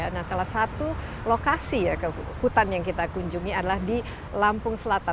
nah salah satu lokasi hutan yang kita kunjungi adalah di lampung selatan